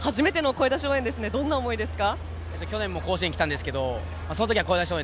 初めての声出し応援どんな思いですか。